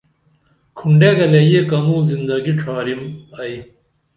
کُھنڈے گلے یہ کنوں زندگی ڇھارِم ائی